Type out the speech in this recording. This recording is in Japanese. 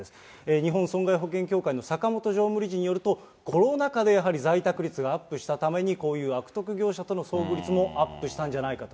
日本損害保険協会の坂本常務理事によると、コロナ禍でやはり在宅率がアップしたために、こういう悪徳業者との遭遇率もアップしたんじゃないかと。